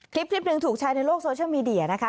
คลิปหนึ่งถูกแชร์ในโลกโซเชียลมีเดียนะคะ